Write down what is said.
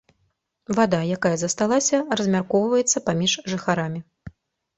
Вада, якая засталася, размяркоўваецца паміж жыхарамі.